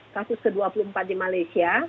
kasus ke dua puluh empat di malaysia